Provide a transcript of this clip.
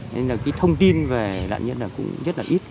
nên là thông tin về nạn nhân cũng rất là ít